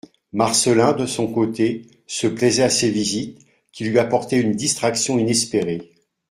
Marcelin, de son côté, se plaisait à ces visites, qui lui apportaient une distraction inespérée.